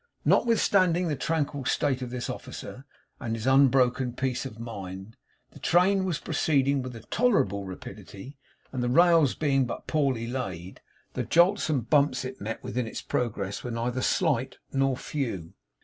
Notwithstanding the tranquil state of this officer, and his unbroken peace of mind, the train was proceeding with tolerable rapidity; and the rails being but poorly laid, the jolts and bumps it met with in its progress were neither slight nor few.